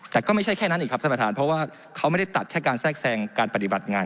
แต่ก็ไม่ใช่แค่นั้นอีกครับท่านประธานเพราะว่าเขาไม่ได้ตัดแค่การแทรกแทรงการปฏิบัติงาน